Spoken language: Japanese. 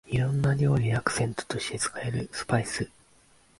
いろんな料理でアクセントとして使えるスパイス